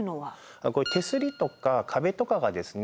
こういう手すりとか壁とかがですね